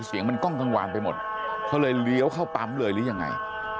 เสียงมันกล้องกลางวานไปหมดเขาเลยเลี้ยวเข้าปั๊มเลยหรือยังไง